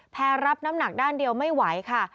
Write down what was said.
รับน้ำหนักด้านเดียวไม่ไหวค่ะ